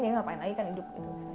ya ngapain lagi kan hidup